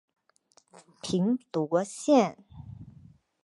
平罗线